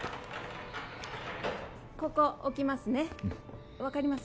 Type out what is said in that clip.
ここ置きますねうん・分かります？